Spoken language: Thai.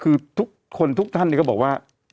คือทุกคนทุกท่านก็บอกว่า